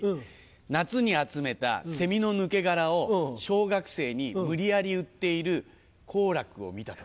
夏に集めたセミの抜け殻を小学生に無理やり売っている好楽を見た時。